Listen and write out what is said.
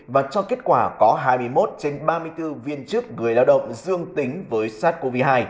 và cho kết quả có hai mươi một trên ba mươi bốn viên chức người lao động dương tính với sars cov hai